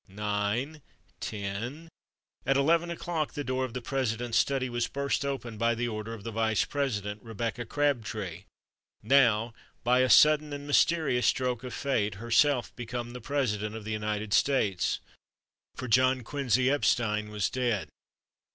—nine, ten—! At eleven o'clock the door of the President's study was burst open by the order of the Vice President, Rebecca Crabtree, now, by a sudden and mysterious stroke of Fate, herself become the President of the United States. For John Quincy Epstein was dead.